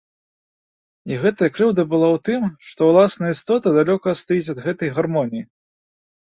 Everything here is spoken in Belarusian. І гэтая крыўда была ў тым, што ўласная істота далёка стаіць ад гэтай гармоніі.